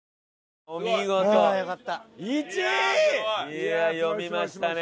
いや読みましたね。